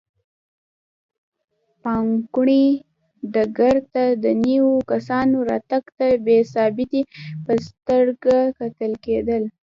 پانګونې ډګر ته د نویو کسانو راتګ ته بې ثباتۍ په سترګه کتل کېدل.